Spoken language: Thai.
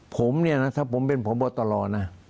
ผมเนี่ยนะถ้าผมเป็นผู้บัตรตลอนะ